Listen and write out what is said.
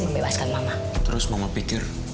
membebaskan mama terus mama pikir